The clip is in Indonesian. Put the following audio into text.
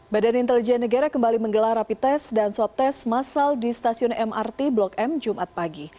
badan intelijen negara kembali menggelar rapi tes dan swab tes masal di stasiun mrt blok m jumat pagi